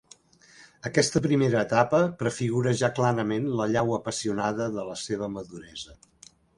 Aquesta primera etapa prefigura ja clarament l'allau apassionada de la seva maduresa.